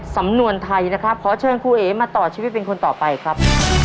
สำนวนไทยนะครับขอเชิญครูเอ๋มาต่อชีวิตเป็นคนต่อไปครับ